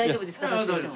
撮影しても。